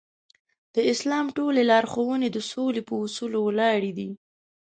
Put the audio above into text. د اسلام ټولې لارښوونې د سولې په اصول ولاړې دي.